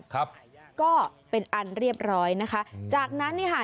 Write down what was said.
ครับก็เป็นอันเรียบร้อยนะคะจากนั้นนี่ค่ะ